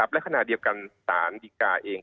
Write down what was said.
และขณะเดียวกันศาลดีกาเอง